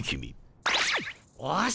おし！